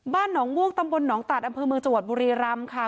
หนองม่วงตำบลหนองตัดอำเภอเมืองจังหวัดบุรีรำค่ะ